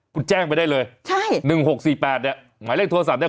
คุณแจ้งไปได้เลยใช่๑๖๔๘เนี่ยหมายเลขโทรศัพท์เนี่ย